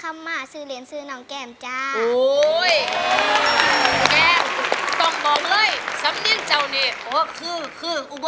มาให้เกิดคุณแม่เขาเกิดที่ไหนครับ